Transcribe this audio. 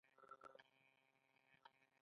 شېبه لا نه وه اوښتې چې يوه قابله را بېرته شوه.